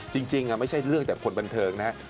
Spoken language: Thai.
จริงไม่ใช่เรื่องแต่คนบันเทิงนะฮะ